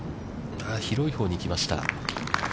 広いほうに行きました。